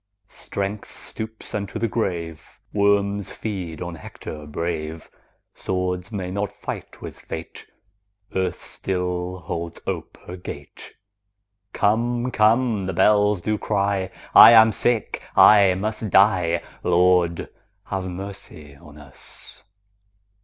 Strength stoops unto the grave, Worms feed on Hector brave; Swords may not fight with fate; Earth still holds ope her gate; 25 Come, come! the bells do cry; I am sick, I must die— Lord, have mercy on us!